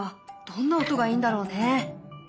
どんな音がいいんだろうね。